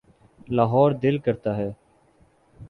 لاہور دل کرتا ہے۔